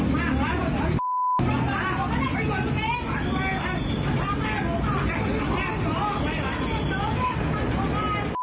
สวัสดีครับคุณผู้ชาย